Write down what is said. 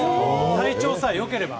体調さえ良ければ。